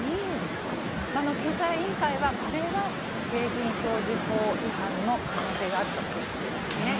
救済委員会はこれは景品表示法違反の可能性があるとしています。